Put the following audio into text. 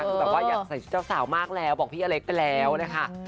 คือแบบว่าอยากใส่เจ้าสาวมากแล้วบอกพี่อเล็กไปแล้วนะคะ